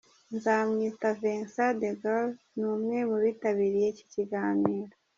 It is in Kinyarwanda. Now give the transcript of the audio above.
Nzamwita Vincent De Gaulle ni umwe mu bitabiriye iki kiganiro